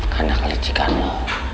karena kelecikan lo